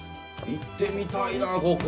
行ってみたいなここ」